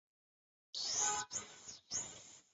大尾真剑水蚤为剑水蚤科真剑水蚤属的动物。